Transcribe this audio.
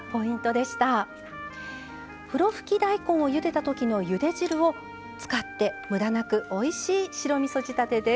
ふろふき大根をゆでたときのゆで汁を使ってむだなくおいしい白みそ仕立てです。